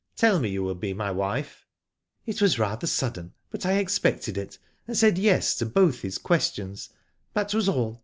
Tell me you will be my wife." ." It was rather sudden, but I expected it, and said yes to both his questions, that was all.